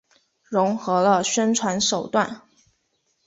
融合了宣传手段。